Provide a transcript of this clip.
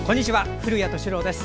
古谷敏郎です。